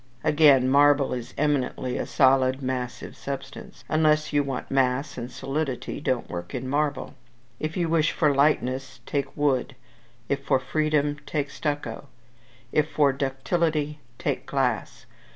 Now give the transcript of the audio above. Again, marble is eminently a solid and massive substance. Unless you want mass and solidity, don't work in marble. If you wish for lightness, take wood; if for freedom, take stucco; if for ductility, take glass.